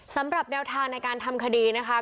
สำหรับแนวทางในการทำคดีนะคะ